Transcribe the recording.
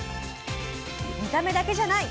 見た目だけじゃない！